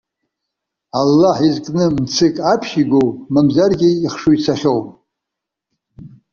Аллаҳ изкны мцык аԥшьигоу, мамзаргьы ихшыҩ цахьоу?